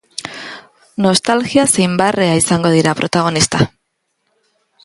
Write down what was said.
Nostalgia zein barrea izango dira protagonista.